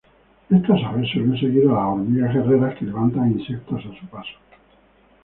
Estas aves suelen seguir a las hormigas guerreras que levantan insectos a su paso.